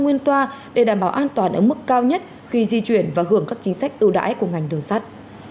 nguyên toa để đảm bảo an toàn ở mức cao nhất khi di chuyển và hưởng các chính sách ưu đãi của ngành đường sắt